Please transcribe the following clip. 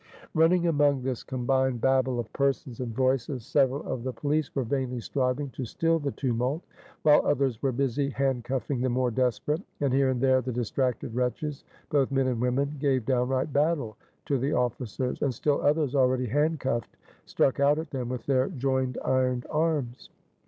Running among this combined babel of persons and voices, several of the police were vainly striving to still the tumult; while others were busy handcuffing the more desperate; and here and there the distracted wretches, both men and women, gave downright battle to the officers; and still others already handcuffed struck out at them with their joined ironed arms.